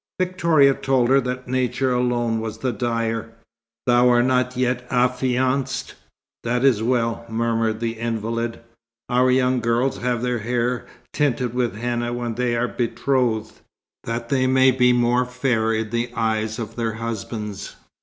Victoria told her that Nature alone was the dyer. "Thou art not yet affianced; that is well," murmured the invalid. "Our young girls have their hair tinted with henna when they are betrothed, that they may be more fair in the eyes of their husbands.